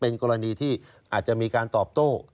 กรณีที่อาจจะมีการตอบโต้